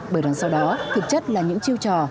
bởi đằng sau đó thực chất là những chiêu trò